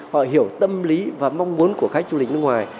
họ hiểu tâm lý và mong muốn của khách du lịch nước ngoài